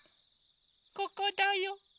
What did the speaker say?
・ここだよ。